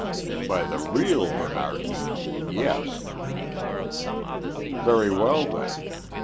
"By the real Bernard Heaton yes." "Very well then.